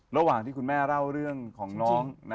ระหว่างที่คุณแม่เล่าเรื่องของน้อง